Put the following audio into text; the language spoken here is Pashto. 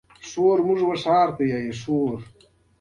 آن په کامله توګه مالي احصایې هم مشکوکې دي